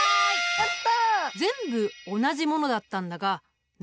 やった！